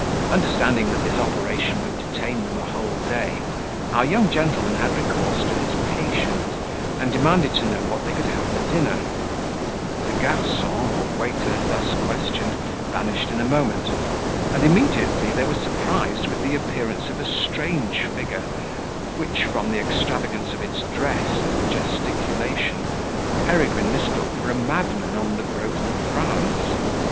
Understanding that this operation would detain them a whole day, our young gentleman had recourse to his patience, and demanded to know what they could have for dinner; the garcon or waiter, thus questioned, vanished in a moment, and immediately they were surprised with the appearance of a strange figure, which, from the extravagance of its dress and gesticulation, Peregrine mistook for a madman of the growth of France.